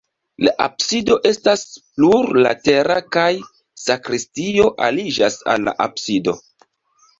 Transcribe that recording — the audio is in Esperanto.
La absido estas plurlatera kaj sakristio aliĝas al la absido.